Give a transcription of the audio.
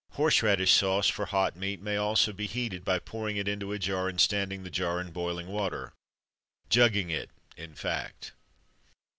Horse radish sauce for hot meat may also be heated by pouring it into a jar, and standing the jar in boiling water "jugging it" in fact.